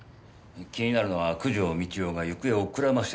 気になるのは九条美千代が行方をくらましてる事だ。